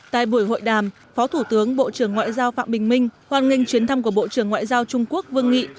tại buổi hội đàm phó thủ tướng bộ trưởng ngoại giao phạm bình minh hoan nghênh chuyến thăm của bộ trưởng ngoại giao trung quốc vương nghị